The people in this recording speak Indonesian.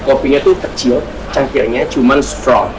kopinya tuh kecil canggihnya cuman strong